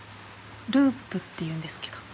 『ループ』っていうんですけど。